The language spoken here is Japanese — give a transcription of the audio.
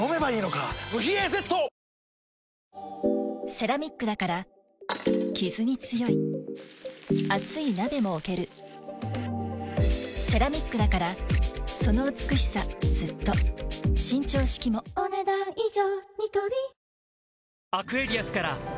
セラミックだからキズに強い熱い鍋も置けるセラミックだからその美しさずっと伸長式もお、ねだん以上。